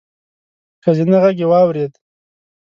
ښځينه غږ يې واورېد: